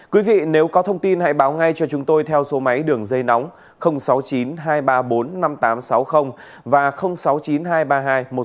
quý vị nếu có thông tin hãy báo ngay cho chúng tôi theo số máy đường dây nóng sáu mươi chín hai trăm ba mươi bốn năm nghìn tám trăm sáu mươi và sáu mươi chín hai trăm ba mươi hai một nghìn sáu trăm sáu mươi bảy hoặc cơ quan công an nơi gần nhất